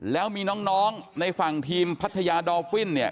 แล้วมีน้องในฝั่งทีมพัทยาดอลวินเนี่ย